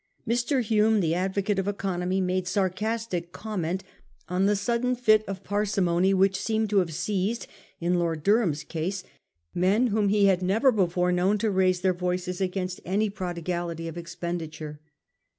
Mr. Hume, the advocate of economy, made sarcastic comment on the sudden fit of parsimony which seemed to have seized, in Lord Durham's case, men whom he had never before known to raise their voices against any prodigality of expenditure.